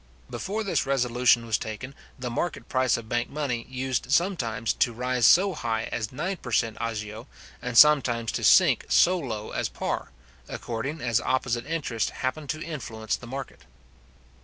Before this resolution was taken, the market price of bank money used sometimes to rise so high as nine per cent. agio, and sometimes to sink so low as par, according as opposite interests happened to influence the market.